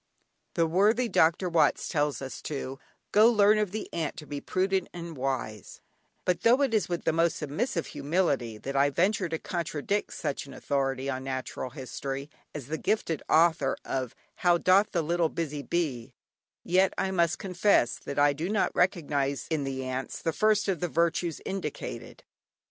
The worthy Dr. Watts tells us to "go learn of the ant to be prudent and wise," but though it is with the most submissive humility that I venture to contradict such an authority on natural history as the gifted author of "How doth the little busy bee," yet I must confess that I do not recognise in the ants the first of the virtues indicated.